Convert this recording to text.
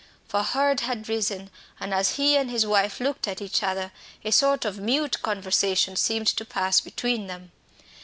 For Hurd had risen, and as he and his wife looked at each other a sort of mute conversation seemed to pass between them.